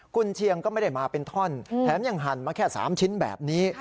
คุณเชียงก็ไม่ได้มาเป็นท่อนแถมยังหั่นมาแค่๓ชิ้นแบบนี้